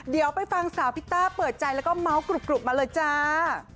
เดี๋ยวไปฟังสาวพิต้าเปิดใจแล้วก็เมาส์กรุบมาเลยจ้า